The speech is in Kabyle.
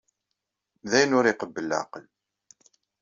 D ayen ur iqebbel leɛqel.